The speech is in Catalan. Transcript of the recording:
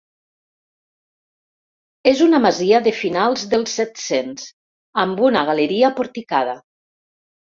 És una masia de finals del set-cents, amb una galeria porticada.